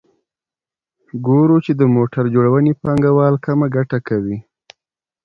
ګورو چې د موټر جوړونې پانګوال کمه ګټه کوي